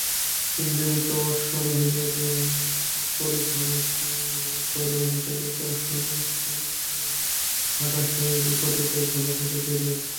তিনি দ্রুত অশ্বারোহীদের পরিখামুখী করে অপেক্ষাকৃত সরু স্থানে গিয়ে বাতাসের গতিতে ঘোড়া ছুটিয়ে দেন।